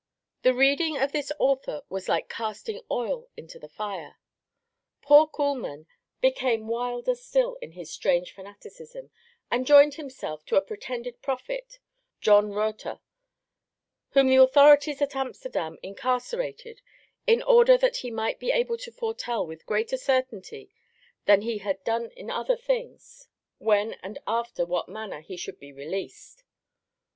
The reading of this author was like casting oil into the fire. Poor Kuhlmann became wilder still in his strange fanaticism, and joined himself to a pretended prophet, John Rothe, whom the authorities at Amsterdam incarcerated, in order that he might be able to foretell with greater certainty than he had done other things when and after what manner he should be released.